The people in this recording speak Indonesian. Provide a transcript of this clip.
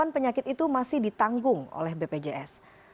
delapan penyakit itu masih ditanggung oleh bpjs